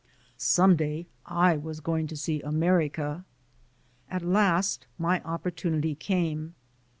Some day I was going to see America. At last my opportunity came.